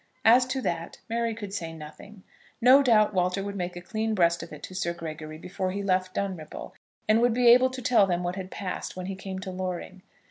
As to that, Mary could say nothing. No doubt Walter would make a clean breast of it to Sir Gregory before he left Dunripple, and would be able to tell them what had passed when he came to Loring.